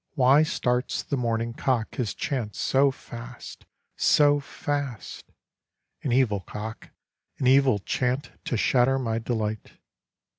.. Why starts the morning cock his chant so fast, so fast ? An evil cock, an evil chant to shatter my delight